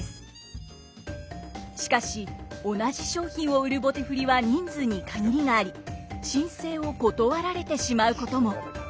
しかし同じ商品を売る棒手振は人数に限りがあり申請を断られてしまうことも。